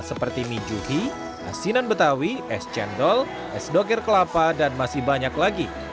seperti minjuhi asinan betawi es cendol es dokir kelapa dan masih banyak lagi